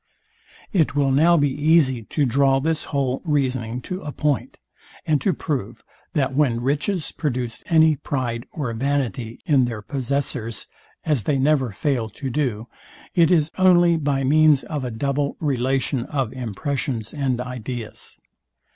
It will now be easy to draw this whole reasoning to a point, and to prove, that when riches produce any pride or vanity in their possessors, as they never fail to do, it is only by means of a double relation of impressions and ideas.